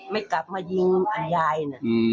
ไม่กลับมายิงอันยายนะ